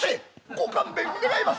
「ご勘弁願います」。